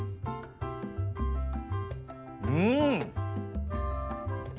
うん！